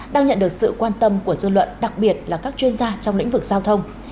đang nhận được sự quan tâm của dư luận đặc biệt là các chuyên gia trong lĩnh vực giao thông